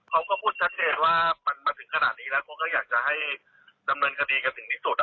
เขาก็พูดชัดเจนว่ามันมาถึงขนาดนี้แล้วเขาก็อยากจะให้ดำเนินคดีกันถึงที่สุด